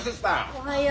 おはよう。